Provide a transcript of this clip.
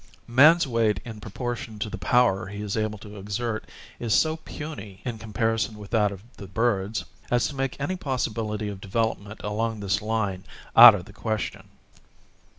Man's weight in proportion to the power he is able to exert is so puny in comparison with that of the birds, as to make any possibility of development along this line out of the question.